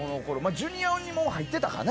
ジュニアにはもう入ってたかな。